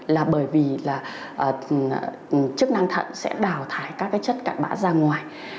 là bởi vì chức năng thận sẽ đào thải các chất cạn bã ra ngoài